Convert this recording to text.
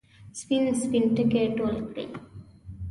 سپین، سپین ټکي ټول کړي